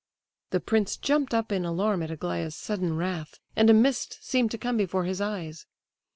The prince jumped up in alarm at Aglaya's sudden wrath, and a mist seemed to come before his eyes.